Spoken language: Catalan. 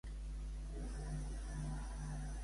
Se'n burlen de la classe popular?